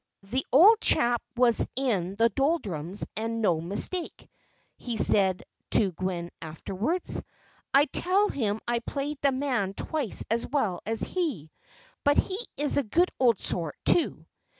"The old chap was in the doldrums and no mistake," he said to Gwen afterwards. "I tell him I played the man twice as well as he. But he is a good old sort, too."